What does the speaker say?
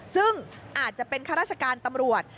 ซึ่งอาจจะเป็นข้าราชการตำรวจ